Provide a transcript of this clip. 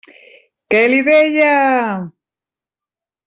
Què li deia?